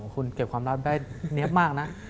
คุณเก็บความรักได้เนี๊ยบมากนะ